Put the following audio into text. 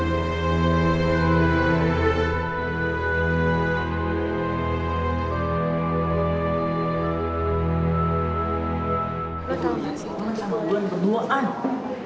lo tau kan sih itu